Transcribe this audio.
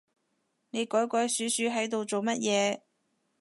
你鬼鬼鼠鼠係度做乜嘢